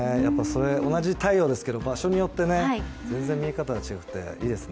同じ太陽ですけど場所によって全然見え方が違くていいですね。